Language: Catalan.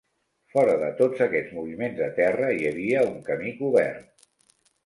Fora de tots aquests moviments de terra hi havia un camí cobert.